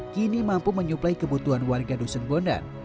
kini mampu menyuplai kebutuhan warga dusun bondan